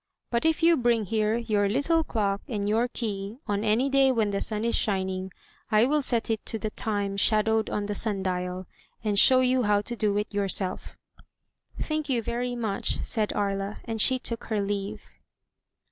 But if you bring here your little clock and your key on any day when the sim is shining, I will set it to the time shadowed on the sun dial, and show you how to do it yourself.'* "Thank you very much," said Aria, and she took her leave.